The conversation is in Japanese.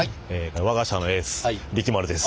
我が社のエース力丸です。